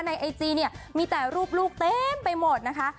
ไอจีเนี่ยมีแต่รูปลูกเต็มไปหมดนะคะ